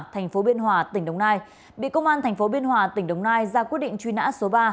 thành phố biên hòa tỉnh đồng nai bị công an tp biên hòa tỉnh đồng nai ra quyết định truy nã số ba